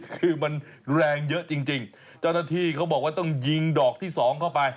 คือมันแรงเยอะจริงเจ้าหน้าที่เขาบอกว่าต้องยิงดอกที่สองเข้าไป